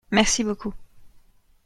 Merci beaucoup.